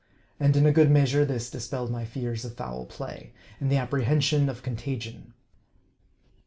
And in a good measure this dispelled my fears of foul play, and the apprehension of contagion.